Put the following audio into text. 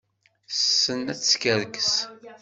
Tessen ad teskerkes.